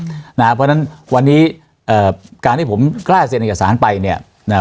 เพราะฉะนั้นวันนี้เอ่อการที่ผมกล้าเซ็นเอกสารไปเนี่ยนะฮะ